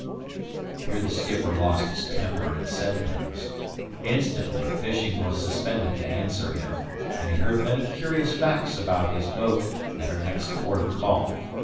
Here the skipper lost his temper and said things. Instantly fishing was suspended to answer him, and he heard many curious facts about his boat and her next port of call.